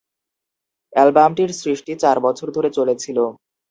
অ্যালবামটির সৃষ্টি চার বছর ধরে চলেছিল।